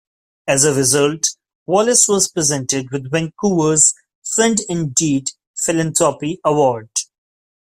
As a result, Vallance was presented with Vancouver's "Friend in Deed" philanthropy award.